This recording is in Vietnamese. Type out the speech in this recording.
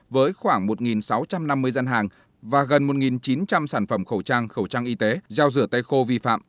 với khoảng một sáu trăm năm mươi gian hàng và gần một chín trăm linh sản phẩm khẩu trang khẩu trang y tế giao rửa tay khô vi phạm